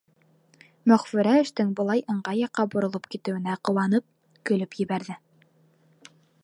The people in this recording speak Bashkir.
Мәғфүрә эштең былай ыңғай яҡҡа боролоп китеүенә ҡыуанып, көлөп ебәрҙе.